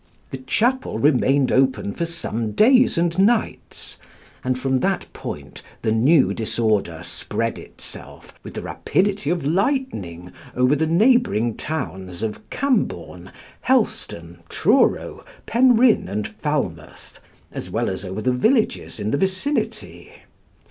The chapel remained open for some days and nights, and from that point the new disorder spread itself, with the rapidity of lightning, over the neighbouring towns of Camborne, Helston, Truro, Penryn and Falmouth, as well as over the villages in the vicinity.